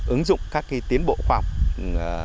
ứng dụng các cái tiến bộ khoa học